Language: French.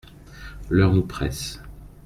L’heure nous presse !